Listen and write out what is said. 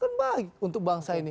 kan baik untuk bangsa ini